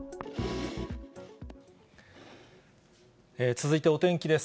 続いてお天気です。